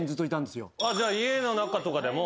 じゃあ家の中とかでも。